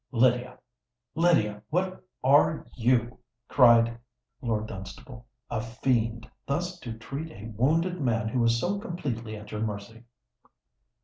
"Lydia—Lydia, what are you?" cried Lord Dunstable; "a fiend—thus to treat a wounded man who is so completely at your mercy!"